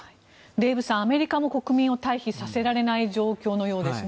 デーブさん、アメリカも国民を退避させられない状況のようですね。